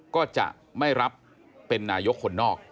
ก็จะไม่รับเป็นนายกคนนอก